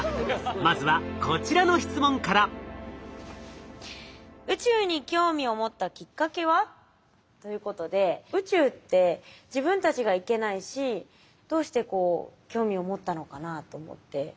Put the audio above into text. まずはこちらの質問から。ということで宇宙って自分たちが行けないしどうしてこう興味を持ったのかなと思って。